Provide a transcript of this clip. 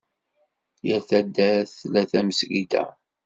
Yal taddart tla tamezgida.